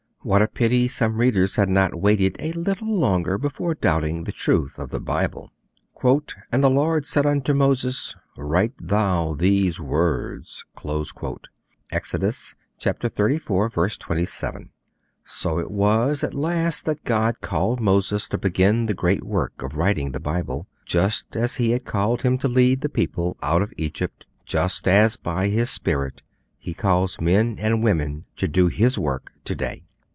What a pity some readers had not waited a little longer before doubting the truth of the Bible! 'And the Lord said unto Moses, Write thou these words.' (Exodus xxxiv. 27.) So it was at last that God called Moses to begin the great work of writing the Bible, just as He had called him to lead the people out of Egypt; just as by His Spirit He calls men and women to do His work to day.